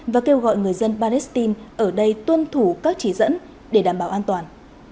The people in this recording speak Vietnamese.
và kêu gọi người dân palestine ở đây tuân thủ các chỉ dẫn để đảm bảo an toàn